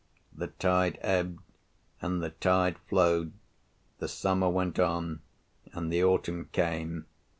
The tide ebbed, and the tide flowed; the summer went on, and the autumn came.